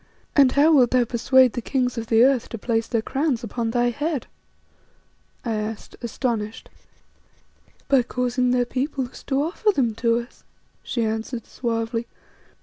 "And how wilt thou persuade the kings of the earth to place their crowns upon thy head?" I asked, astonished. "By causing their peoples to offer them to us," she answered suavely.